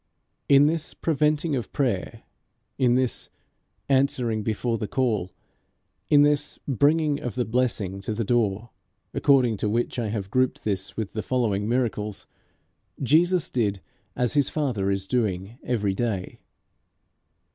In this preventing of prayer, in this answering before the call, in this bringing of the blessing to the door, according to which I have grouped this with the following miracles, Jesus did as his Father is doing every day.